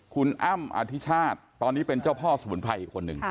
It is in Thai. คุณอ้ำอธิชาติตอนนี้เป็นเจ้าพ่อสมุนไพรอีกคนหนึ่ง